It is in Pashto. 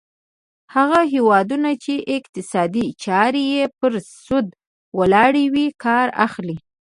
هغه هیوادونه چې اقتصادي چارې یې پر سود ولاړې وي کار اخلي.